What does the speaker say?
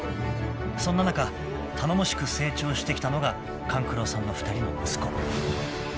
［そんな中頼もしく成長してきたのが勘九郎さんの２人の息子］